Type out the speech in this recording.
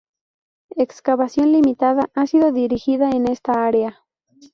Excavación limitada ha sido dirigida en esta área.